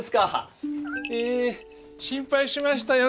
え心配しましたよ